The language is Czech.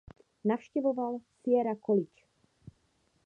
Navštěvoval Sierra College.